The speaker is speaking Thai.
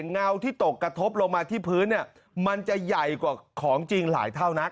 เงาที่ตกกระทบลงมาที่พื้นเนี่ยมันจะใหญ่กว่าของจริงหลายเท่านั้น